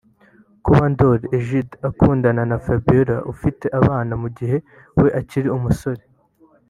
Kuba Ndoli Egide akundanye na Fabiola ufite abana mu gihe we akiri umusore